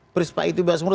prisprak itu bebas murni